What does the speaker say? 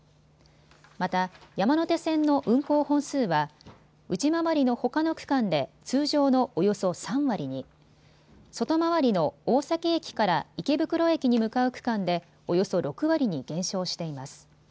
また、山手線の運行本数は内回りのほかの区間で通常のおよそ３割に、外回りの大崎駅から池袋駅に向かう区間でおよそ６割に減少しています。